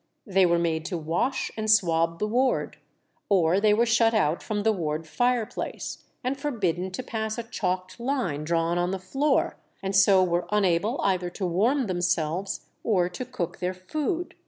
They were made to wash and swab the ward, or they were shut out from the ward fireplace, and forbidden to pass a chalked line drawn on the floor, and so were unable either to warm themselves or to cook their food.